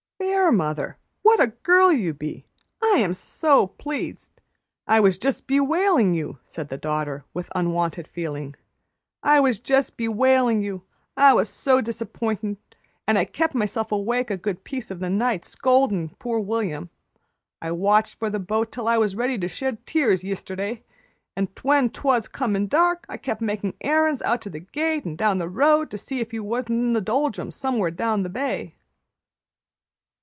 "There, mother, what a girl you be! I am so pleased! I was just bewailin' you," said the daughter, with unwonted feeling. "I was just bewailin' you, I was so disappointed, an' I kep' myself awake a good piece o' the night scoldin' poor William. I watched for the boat till I was ready to shed tears yisterday, and when 'twas comin' dark I kep' making errands out to the gate an' down the road to see if you wa'n't in the doldrums somewhere down the bay."